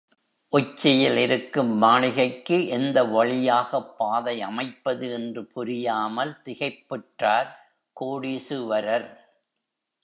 உச்சியில் இருக்கும் மாளிகைக்கு எந்த வழியாகப் பாதை அமைப்பது என்று புரியாமல் திகைப்புற்றார் கோடீசுவரர்.